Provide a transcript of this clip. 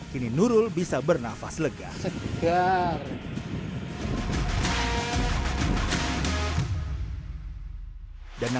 kini nurul bisa bernafas lega